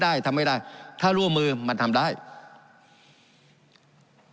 การปรับปรุงทางพื้นฐานสนามบิน